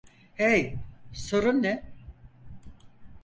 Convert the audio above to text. Hey, sorun ne?